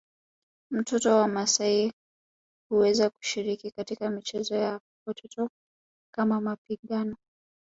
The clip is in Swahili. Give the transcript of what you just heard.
Mtoto wa maasai huweza kushiriki katika michezo ya watoto kama mapigano